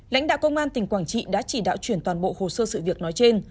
lãnh đạo công an tỉnh quảng trị đã chỉ đạo chuyển toàn bộ hồ sơ sự việc nói trên